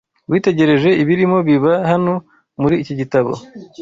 WITEGEREJE ibirimo biba hano muri iki gitabo